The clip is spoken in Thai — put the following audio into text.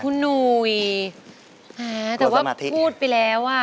คุณหนุ่ยแต่ว่าพูดไปแล้วอ่ะ